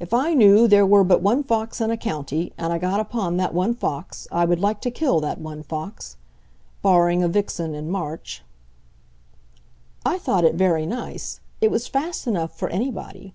"If I knew there were but one fox in a county, and I got upon that one fox, I would like to kill that one fox, barring a vixen in March." "I thought it very nice. It was fast enough for anybody."